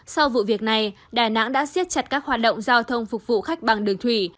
sau vụ việc này đà nẵng đã xiết chặt các hoạt động giao thông phục vụ khách bằng đường thủy